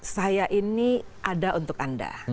saya ini ada untuk anda